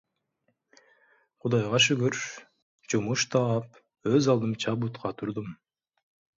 Кудайга шүгүр, жумуш таап, өз алдымча бутка турдум.